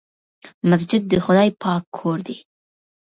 مسجد د خدای پاک کور دی.